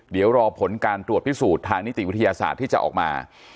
เดี๋ยวรอผลการตรวจพิสูจน์ทางนิติวิทยาศาสตร์ที่จะออกมา